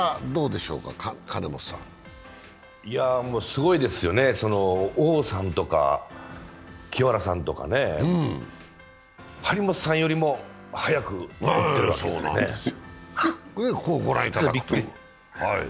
すごいですよね、王さんとか清原さんとかね、張本さんよりも早く打ってるわけですね。